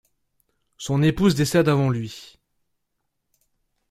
Son épouse décède avant lui.